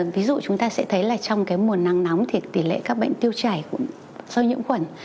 ví dụ chúng ta sẽ thấy trong mùa nắng nóng thì tỷ lệ các bệnh tiêu chảy do nhiễm khuẩn